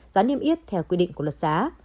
giá niêm yết theo quy định của luật giá